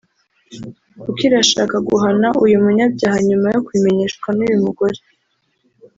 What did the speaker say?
kuko irashaka guhana uyu munyabyaha nyuma yo kubimenyeshwa n’uyu mugore